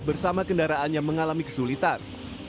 bersama kendaraannya mengalami kesulitan